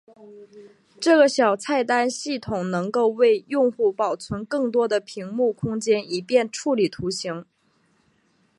这个小菜单系统能够为用户保存更多的屏幕空间以便处理图形。